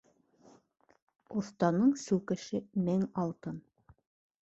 Оҫтаның сүкеше мең алтын.